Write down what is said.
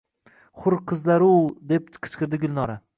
— Hur qizlar-u-u-u! — deb qichqirdi Gulnora